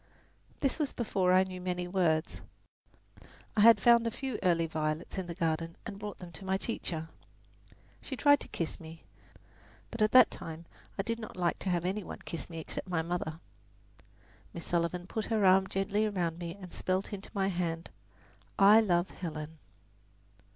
This was before I knew many words. I had found a few early violets in the garden and brought them to my teacher. She tried to kiss me: but at that time I did not like to have any one kiss me except my mother. Miss Sullivan put her arm gently round me and spelled into my hand, "I love Helen."